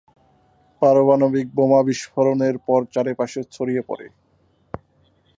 পারমাণবিক বোমা বিস্ফোরণের পর চারপাশে ছড়িয়ে পড়ে।